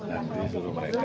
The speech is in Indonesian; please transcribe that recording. nanti suruh mereka